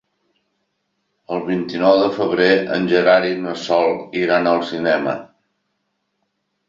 El vint-i-nou de febrer en Gerard i na Sol iran al cinema.